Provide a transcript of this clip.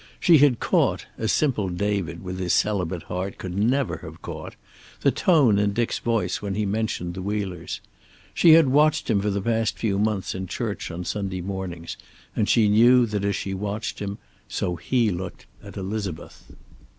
She had caught, as simple David with his celibate heart could never have caught, the tone in Dick's voice when he mentioned the Wheelers. She had watched him for the past few months in church on Sunday mornings, and she knew that as she watched him, so he looked at Elizabeth.